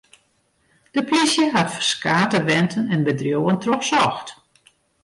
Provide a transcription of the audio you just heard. De polysje hat ferskate wenten en bedriuwen trochsocht.